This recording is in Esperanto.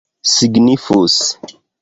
signifus